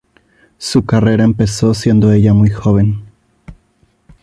Su carrera empezó siendo ella muy joven.